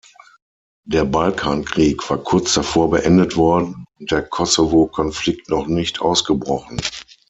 Der Balkankrieg war kurz davor beendet worden und der Kosovo-Konflikt noch nicht ausgebrochen.